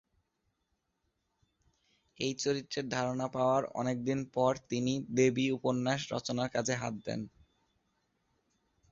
এই চরিত্রের ধারণা পাওয়ার অনেকদিন পর তিনি "দেবী" উপন্যাস রচনার কাজে হাত দেন।